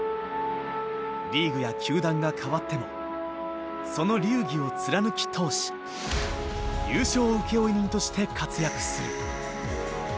リーグや球団が変わってもその流儀を貫き通し優勝請負人として活躍する。